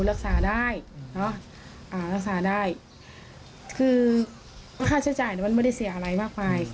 รักษาได้คือค่าใช้จ่ายมันไม่ได้เสียอะไรมากมาย